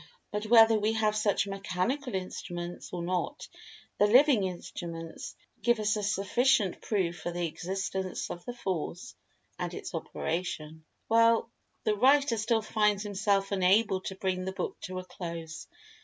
But whether we have such mechanical instruments, or not, the living instruments give us a suffi[Pg 218]cient proof of the existence of the Force, and its operation. Well—the writer still finds himself unable to bring the book to a close.